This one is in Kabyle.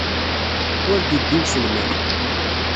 Ur d-iddi uselmad.